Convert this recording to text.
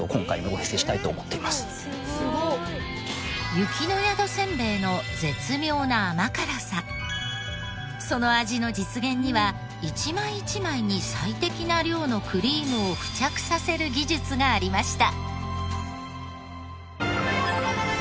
雪の宿せんべいのその味の実現には一枚一枚に最適な量のクリームを付着させる技術がありました。